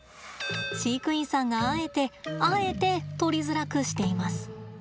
飼育員さんが、あえてあえて取りづらくしています。